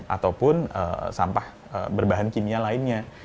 ataupun sampah berbahan kimia lainnya